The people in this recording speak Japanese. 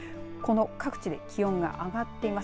各地で気温が上がってます。